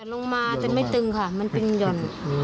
หย่อนลงมาแต่ไม่ตึงค่ะมันเป็นหย่อน